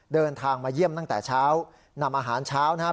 เดินทางมาเยี่ยมตั้งแต่เช้านำอาหารเช้านะฮะ